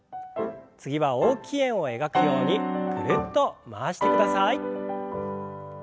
次は大きい円を描くようにぐるっと回してください。